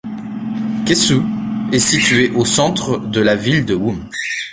Kesu est située au centre de la ville de Wum.